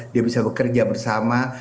dia bisa bekerja bersama